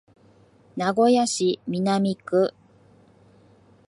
名古屋市南区